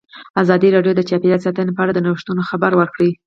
ازادي راډیو د چاپیریال ساتنه په اړه د نوښتونو خبر ورکړی.